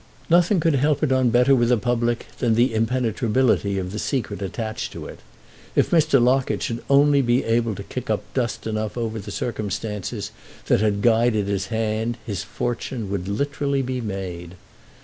Nothing could help it on better with the public than the impenetrability of the secret attached to it. If Mr. Locket should only be able to kick up dust enough over the circumstances that had guided his hand his fortune would literally be made.